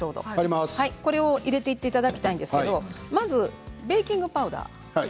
これを入れていただきたいんですけどまずベーキングパウダー。